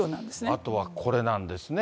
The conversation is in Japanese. あとはこれなんですね。